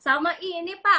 sama ini pak